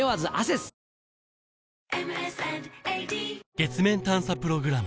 月面探査プログラム